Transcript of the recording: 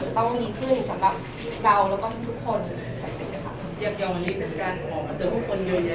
มันจะต้องให้คุณในสำหรับเราแล้วก็ทุกคนที่คิดนะครับ